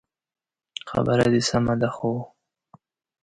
خبره دي سمه ده خو